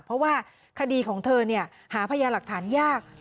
เพราะว่าคดีของเธอหาพยาหลักฐานยาก